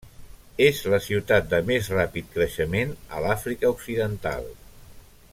És la ciutat de més ràpid creixement a l'Àfrica occidental.